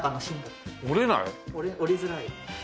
折れづらい。